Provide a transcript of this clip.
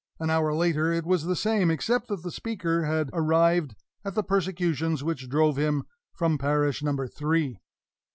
An hour later it was the same except that the speaker had arrived at the persecutions which drove him from parish number three.